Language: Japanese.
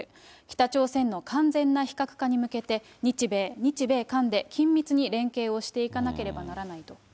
北朝鮮の完全な非核化に向けて、日米、日米韓で緊密に連携をしていかなければならないと。